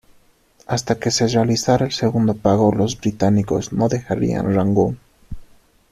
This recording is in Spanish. Hasta que se realizara el segundo pago los británicos no dejarían Rangún.